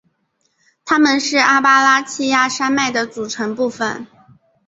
它们是阿巴拉契亚山脉的组成部分。